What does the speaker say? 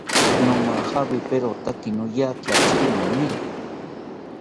Nomajawiriperotaki noyakiatziri maniro